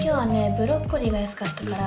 ブロッコリーが安かったから。